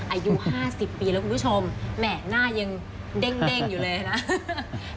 อายุ๕๐ปีแล้วคุณผู้ชมแหม่หน้ายังเด้งอยู่เลยนะ